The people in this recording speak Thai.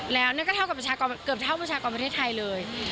แล้วนั่นก็เกือบเท่าประชากรประเทศไทยเลย